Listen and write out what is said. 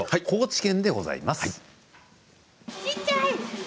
高知県でございます。